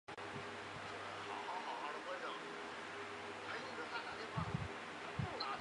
该物种的模式产地在欧洲。